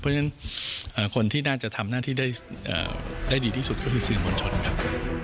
เพราะฉะนั้นคนที่น่าจะทำหน้าที่ได้ดีที่สุดก็คือสื่อมวลชนครับ